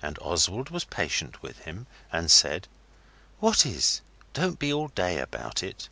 And Oswald was patient with him, and said 'What is? Don't be all day about it.